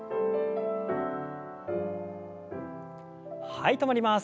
はい止まります。